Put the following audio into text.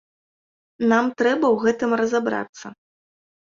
Нам трэба ў гэтым разабрацца.